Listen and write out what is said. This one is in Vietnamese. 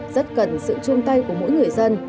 rất cần sự chung tay của mỗi người dân